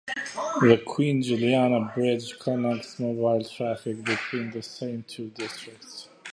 The Queen Juliana Bridge connects mobile traffic between the same two districts.